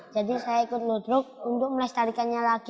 jadi saya ikut ludruk untuk melestarikannya lagi